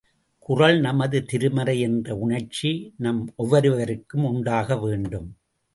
குறள் நமது திருமறை என்ற உணர்ச்சி நம் ஒவ்வொருவருக்கும் உண்டாகவேண்டும்.